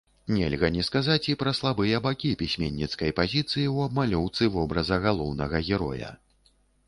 Нельга не сказаць і пра слабыя бакі пісьменніцкай пазіцыі ў абмалёўцы вобраза галоўнага героя.